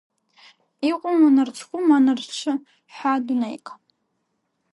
Иҟоума нарцәхәы, ма нарцәы ҳәа дунеик?